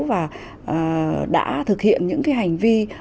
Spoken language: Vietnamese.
và đã thực hiện những hành vi